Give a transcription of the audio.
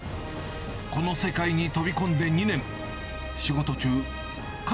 この世界に飛び込んで２年。